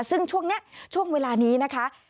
ซึ่งช่วงนี้ช่วงเวลานี้นะคะ